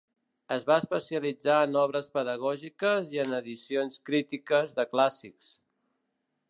Es va especialitzar en obres pedagògiques i en edicions crítiques de clàssics.